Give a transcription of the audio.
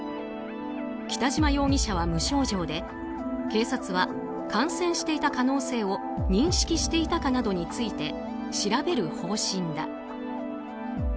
北島容疑者は無症状で、警察は感染していた可能性を認識していたかなどについて調べる方針だ。